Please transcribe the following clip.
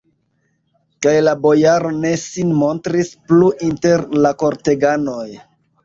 Kaj la bojaro ne sin montris plu inter la korteganoj.